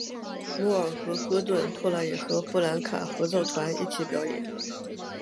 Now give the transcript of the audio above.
摩尔和戈顿后来也和布兰卡合奏团一起表演。